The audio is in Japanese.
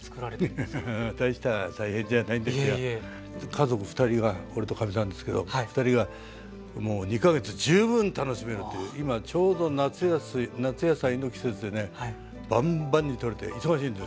家族二人が俺とかみさんですけど二人がもう２か月十分楽しめるという今ちょうど夏野菜の季節でねバンバンにとれて忙しいんです。